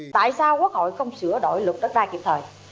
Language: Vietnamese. tại sao quốc hội không sửa đổi luật đất đai kịp thời